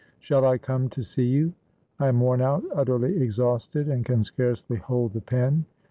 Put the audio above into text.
Shall I come to see you? I am worn out, utterly exhausted, and can scarcely hold the pen.